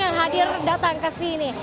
yang hadir datang ke sini